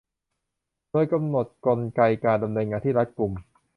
โดยกำหนดกลไกการดำเนินงานที่รัดกุม